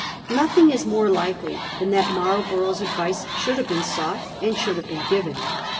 Nothing is more likely than that Marlborough's* advice should have been sought and should have been given.